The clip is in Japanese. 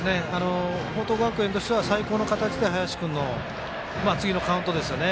報徳学園としては最高の形で林君の次のカウントですね。